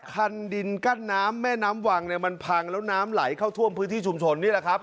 คันดินกั้นน้ำแม่น้ำวังเนี่ยมันพังแล้วน้ำไหลเข้าท่วมพื้นที่ชุมชนนี่แหละครับ